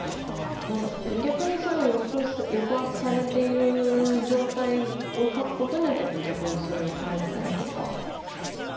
まあ逆にそれを抑圧されている状態を書くことによって逆にそれを書いたりとか。